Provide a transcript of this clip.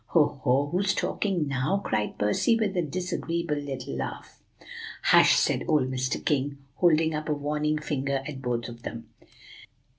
"Ho! ho! who's talking now?" cried Percy, with a disagreeable little laugh. "Hush!" said old Mr. King, holding up a warning finger at both of them.